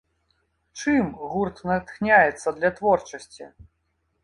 Чым гурт натхняецца для творчасці?